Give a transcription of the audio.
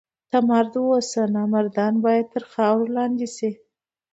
ته مرد اوسه! نامردان باید تر خاورو لاندي سي.